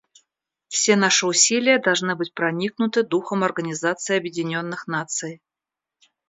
Все наши усилия должны быть проникнуты духом Организации Объединенных Наций.